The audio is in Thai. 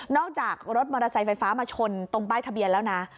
จากรถมอเตอร์ไซค์ไฟฟ้ามาชนตรงป้ายทะเบียนแล้วนะ